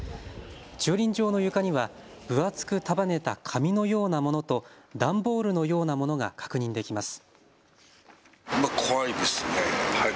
駐輪場の床には分厚く束ねた紙のようなものと段ボールのようなものが確認できます。